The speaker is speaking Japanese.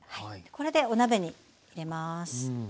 これでお鍋に入れます。